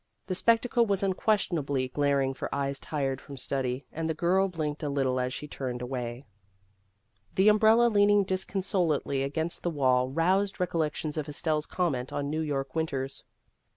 The spectacle was unquestionably glaring for eyes tired from study, and the girl blinked a little as she turned away. ' The umbrella leaning disconsolately against the wall roused recollections of Estelle's comment on New York winters.